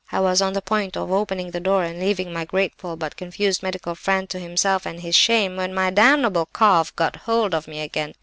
I was on the point of opening the door and leaving my grateful but confused medical friend to himself and his shame, when my damnable cough got hold of me again.